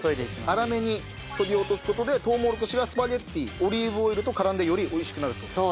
粗めにそぎ落とす事でとうもろこしがスパゲッティオリーブオイルと絡んでより美味しくなるそうです。